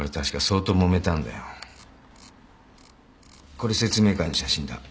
これ説明会の写真だ。